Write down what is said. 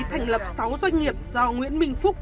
thành lập sáu doanh nghiệp do nguyễn minh phúc